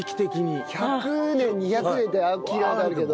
１００年２００年って聞いた事あるけど。